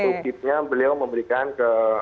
kalau sukitnya beliau memberikan tips